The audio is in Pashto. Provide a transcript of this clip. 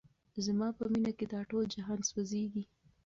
زما په مینه کي دا ټول جهان سوځیږي